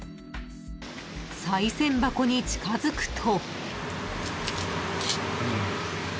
［さい銭箱に近づくと］